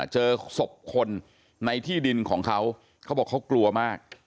เจอศพคนในที่ดินของเขาเขาบอกเขากลัวมาก